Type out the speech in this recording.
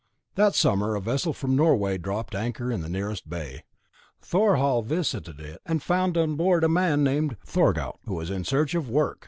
That summer a vessel from Norway dropped anchor in the nearest bay. Thorhall visited it, and found on board a man named Thorgaut, who was in search of work.